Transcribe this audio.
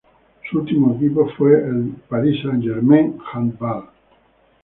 Su último equipo fue el Paris Saint-Germain Handball.